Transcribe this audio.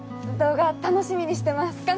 動画楽しみにしてます。